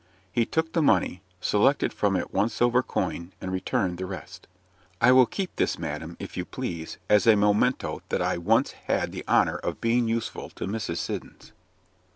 He took the money, selected from it one silver coin, and returned the rest. "I will keep this, madam, if you please, as a memento that I once had the honour of being useful to Mrs. Siddons."